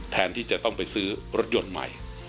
แทนที่จะต้องไปซื้อรถยนต์ใหม่